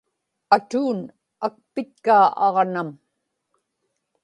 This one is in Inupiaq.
atuun akpitkaa aġnam